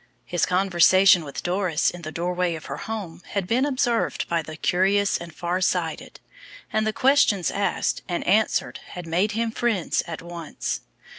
His conversation with Doris in the doorway of her home had been observed by the curious and far sighted, and the questions asked and answered had made him friends at once.